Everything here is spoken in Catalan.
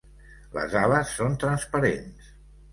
Les ales són transparents.